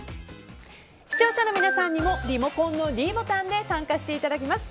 視聴者の皆さんにもリモコンのｄボタンで参加していただきます。